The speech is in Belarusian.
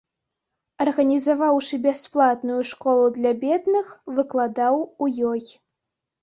Арганізаваўшы бясплатную школу для бедных, выкладаў у ёй.